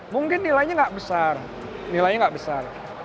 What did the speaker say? mungkin nilainya nggak besar